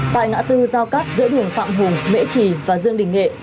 tại ngã tư giao cắt giữa đường phạm hùng mễ trì và dương đình nghệ